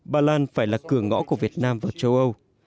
ba lan phải là cửa ngõ của việt nam vào châu âu